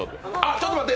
ちょっと待って！